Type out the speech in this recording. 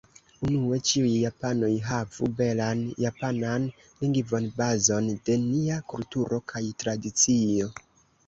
Unue ĉiuj japanoj havu belan japanan lingvon, bazon de nia kulturo kaj tradicio.